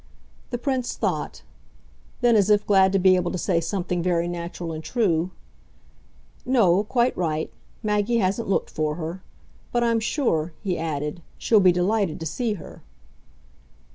The Prince thought; then as if glad to be able to say something very natural and true: "No quite right. Maggie hasn't looked for her. But I'm sure," he added, "she'll be delighted to see her."